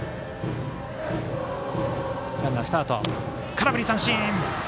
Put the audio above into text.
空振り三振。